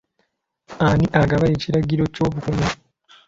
Ani agaba ekiragiro ky'obukuumi?